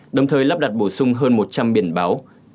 đồng thời lắp đặt bổ sung hơn một trăm linh biển báo